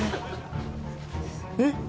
えっ？